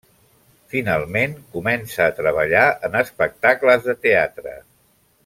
Finalment, comença a treballar en espectacles de teatre.